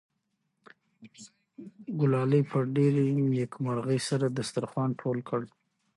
ګلالۍ په ډېرې نېکمرغۍ سره دسترخوان ټول کړ.